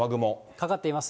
かかっています。